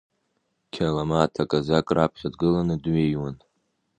Қьаламаҭ аказак раԥхьа дгыланы дҩеиуан.